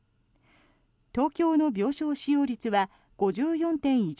東京の病床使用率は５４．１％。